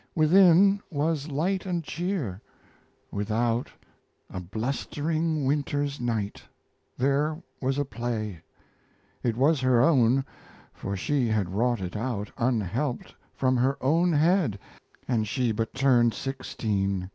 Within, was light and cheer; without, A blustering winter's right. There was a play; It was her own; for she had wrought it out Unhelped, from her own head and she But turned sixteen!